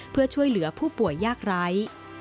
เพื่อช่วยเหลือผู้ป่วยยากไร้